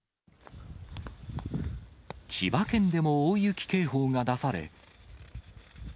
千葉県でも大雪警報が出され。